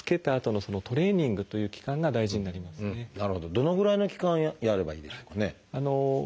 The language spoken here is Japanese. どのぐらいの期間やればいいんでしょうかね？